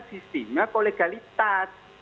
disingat oleh galitas